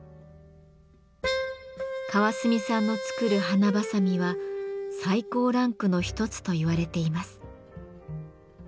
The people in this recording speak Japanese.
川澄さんの作る花ばさみは最高ランクの一つといわれています。